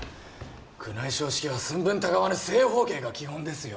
宮内省式は寸分たがわぬ正方形が基本ですよ